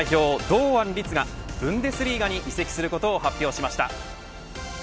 堂安律がブンデスリーガに移籍することを発表しました。